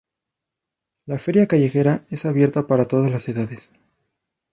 La feria callejera es abierta para todas las edades